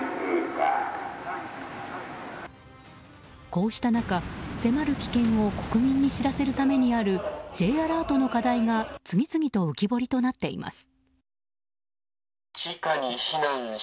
こうした中、迫る危険を国民に知らせるためにあるＪアラートの課題が次々と浮き彫りとなっています。